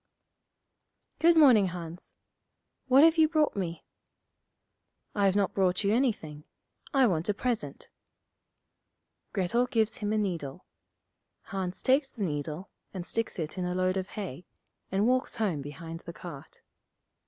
'Good morning, Hans. What have you brought me?' 'I've not brought you anything. I want a present.' Grettel gives him a needle. Hans takes the needle, and sticks it in a load of hay, and walks home behind the cart.